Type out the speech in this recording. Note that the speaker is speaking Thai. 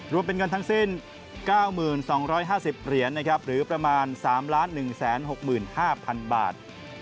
รวมเป็นเงินทั้งสิ้น๙๒๕๐เหรียญนะครับหรือประมาณ๓๑๖๕๐๐๐บาท